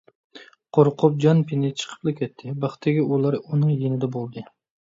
قورقۇپ جان - پېنى چىقىپلا كەتتى، بەختىگە ئۇلار ئۇنىڭ يېنىدا بولدى.